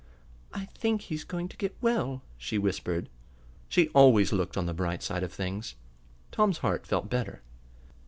"I think he's going to get well," she whispered. She always looked on the bright side of things. Tom's heart felt better.